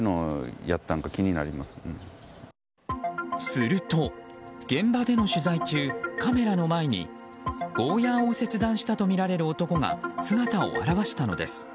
すると、現場での取材中カメラの前にゴーヤーを切断としたとみられる男が姿を現したのです。